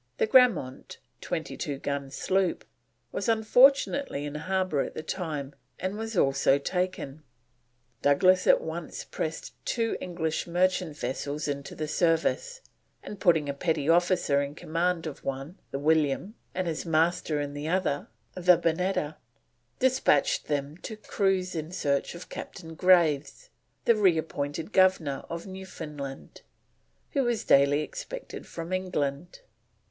The Grammont, 22 gun sloop, was unfortunately in harbour at the time, and was also taken. Douglas at once pressed two English merchant vessels into the service, and putting a petty officer in command of one, the William, and his Master in the other, the Bonetta, despatched them to cruise in search of Captain Graves, the reappointed Governor of Newfoundland, who was daily expected from England.